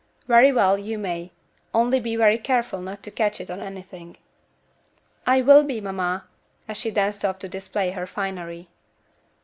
"Very well, you may, only be very careful not to catch it on anything." "I will be, mamma," and she danced off to display her finery.